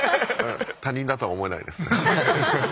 他人だとは思えないですね。